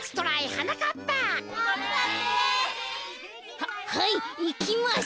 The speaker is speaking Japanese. ははいいきます。